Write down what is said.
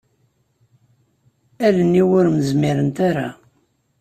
Allen-iw ur m-zmirent ara.